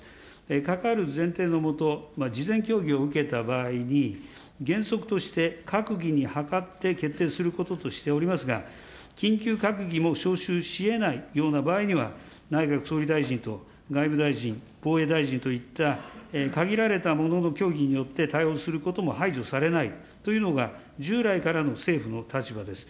かかる前提のもと、事前協議を受けた場合に、原則として、閣議に諮って決定することとしておりますが、緊急閣議も召集しえないような場合には、内閣総理大臣と外務大臣、防衛大臣といった限られた者の協議によって対応することも排除されないというのが、従来からの政府の立場です。